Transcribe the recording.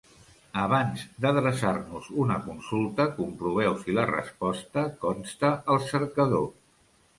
Abans d'adreçar-nos una consulta, comproveu si la resposta consta al cercador.